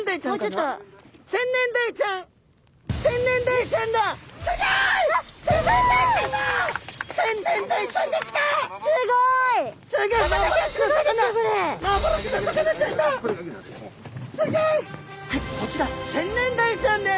はいこちらセンネンダイちゃんです。